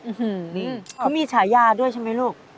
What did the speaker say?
อื้อฮือนี่เขามีฉายาด้วยใช่ไหมลูก